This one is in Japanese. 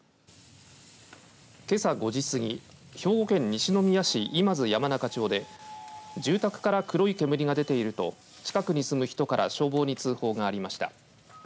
けさ５時過ぎ、兵庫県西宮市今津山中町で住宅から黒い煙が出ていると近くに住む人から消防に通報がありました。